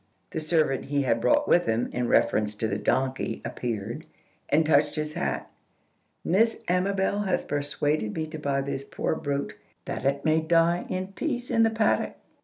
The servant he had brought with him in reference to the donkey appeared, and touched his hat. "Miss Amabel has persuaded me to buy this poor brute, that it may die in peace in the paddock.